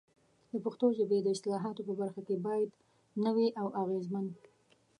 د پښتو ژبې د اصطلاحاتو په برخه کې باید نوي او اغېزمن